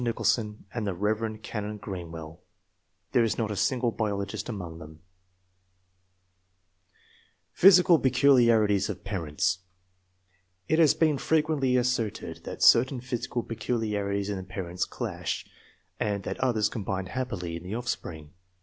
Nicholson, and the Rev. Canon Greenwell : there is not a single biologist among them. I.] . ANTECEDENTS. 27 PHYSICAL PECULIARITIES OP PARENTS. It has been frequently asserted that certain physical peculiarities in the parents clash, and that others combine happily in the oflfepring.